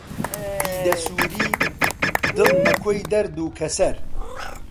دیدە سووری، دڵ مەکۆی دەرد و کەسەر